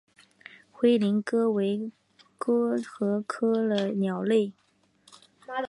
灰林鸽为鸠鸽科鸽属的鸟类。